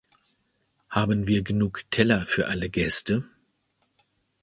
Haben wir genug Teller für alle Gäste?